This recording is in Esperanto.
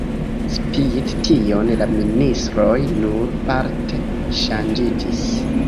Spite tion la ministroj nur parte ŝanĝiĝis.